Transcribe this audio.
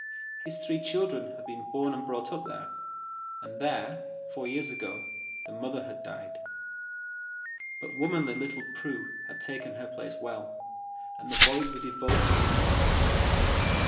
His three children had been born and brought up there, and there, four years ago, the mother had died. But womanly little Prue had taken her place well, and the boys were devoted to their sister.